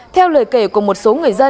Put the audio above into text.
theo lời kể của một số người dân